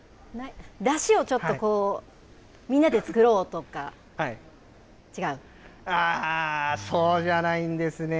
だしをちょっとこう、みんなで作あー、そうじゃないんですね。